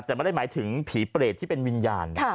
แต่ไม่ได้หมายถึงผีเปรตที่เป็นวิญญาณ